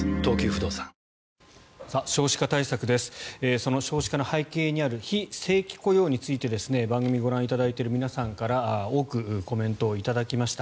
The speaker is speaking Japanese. その少子化の背景にある非正規雇用について番組、ご覧いただいている皆さんから多くコメントを頂きました。